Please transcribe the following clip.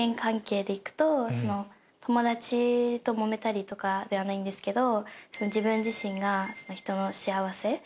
友達ともめたりとかではないんですけど。